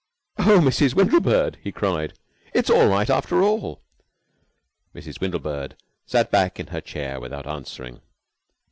"Oh, Mrs. Windlebird," he cried, "It's all right after all." Mrs. Windlebird sat back in her chair without answering.